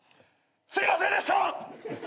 すいませんでした！！